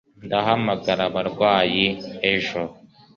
Ndahamagara abarwayi ejo